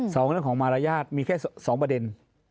สองเรื่องของมารยาทมีแค่สองประเด็น